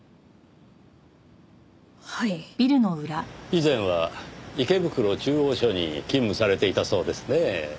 以前は池袋中央署に勤務されていたそうですねぇ。